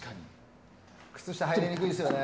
靴下、入りにくいですよね。